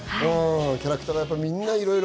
キャラクターがみんないろいろ。